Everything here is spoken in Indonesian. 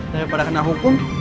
daripada kena hukum